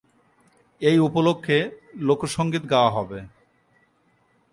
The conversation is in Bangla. এই উপলক্ষে লোকসঙ্গীত গাওয়া হবে।